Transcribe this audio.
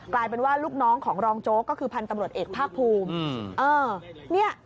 กลายเป็นว่าลูกน้องของรองโจ๊กก็คือพันธุ์ตำรวจเอกภาคภูมิ